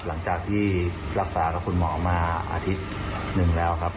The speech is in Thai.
หลังจากที่รักษากับคุณหมอมาอาทิตย์หนึ่งแล้วครับ